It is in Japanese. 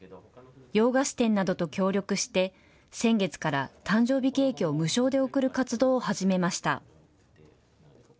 洋菓子店などと協力して、先月から誕生日ケーキを無償で贈る活動を始めました。